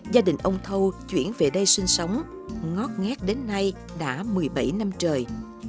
gia đình ông thâu chuyển về đây sinh sống ngót nghét đến nay đã một mươi bảy năm trời